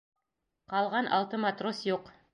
Ҡалған алты матрос юҡ!